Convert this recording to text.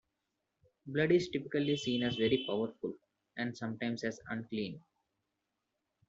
Blood is typically seen as very powerful, and sometimes as unclean.